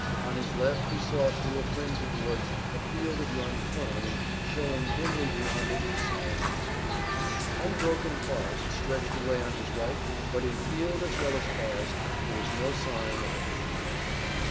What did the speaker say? On his left he saw through a fringe of woods a field of young corn and showing dimly beyond it a small house. Unbroken forest stretched away on his right, but in field as well as forest there was no sign of a human being.